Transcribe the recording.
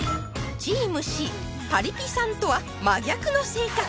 チームＣパリピさんとは真逆の性格